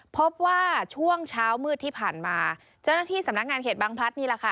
พบว่าช่วงเช้ามืดที่ผ่านมาเจ้าหน้าที่สำนักงานเขตบางพลัดนี่แหละค่ะ